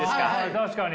確かに。